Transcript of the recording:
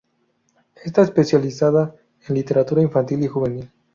Está especializada en literatura infantil y juvenil.